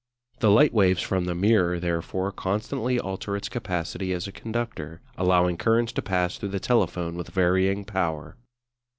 The light waves from the mirror, therefore, constantly alter its capacity as a conductor, allowing currents to pass through the telephone with varying power.